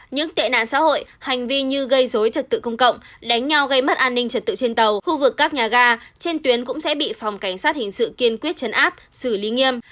những tệ nạn xã hội hành vi như gây dối trật tự công cộng đánh nhau gây mất an ninh trật tự trên tàu khu vực các nhà ga trên tuyến cũng sẽ bị phòng cảnh sát hình sự kiên quyết chấn áp xử lý nghiêm